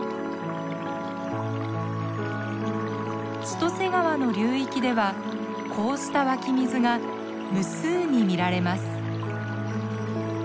千歳川の流域ではこうした湧き水が無数に見られます。